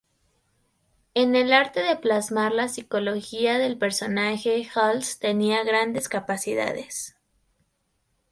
En el arte de plasmar la psicología del personaje, Hals tenía grandes capacidades.